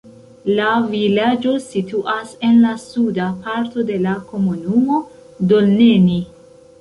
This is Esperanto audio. La vilaĝo situas en la suda parto de la komunumo Dolneni.